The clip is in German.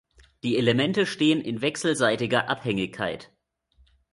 Die Elemente stehen in wechselseitiger Abhängigkeit.